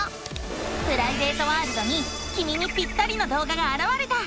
プライベートワールドにきみにぴったりの動画があらわれた！